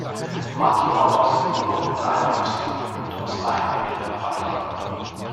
Manche Orte sind nur noch mit einer Buslinie und aus einer Richtung erreichbar.